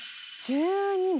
１２年。